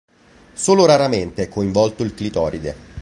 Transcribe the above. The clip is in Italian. Solo raramente è coinvolto il clitoride.